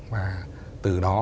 và từ đó